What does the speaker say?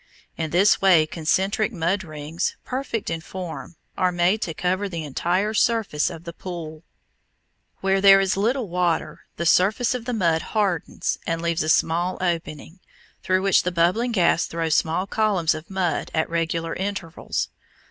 In this way concentric mud rings, perfect in form, are made to cover the entire surface of the pool. Where there is little water, the surface of the mud hardens and leaves a small opening, through which the bubbling gas throws small columns of mud at regular intervals.